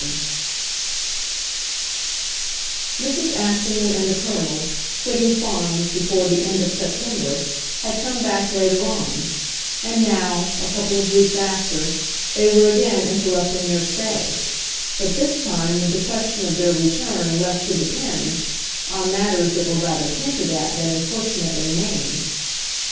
XI Mrs. Assingham and the Colonel, quitting Fawns before the end of September, had come back later on; and now, a couple of weeks after, they were again interrupting their stay, but this time with the question of their return left to depend, on matters that were rather hinted at than importunately named.